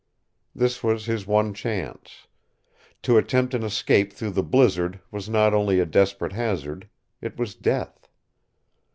This was his one chance. To attempt an escape through the blizzard was not only a desperate hazard. It was death.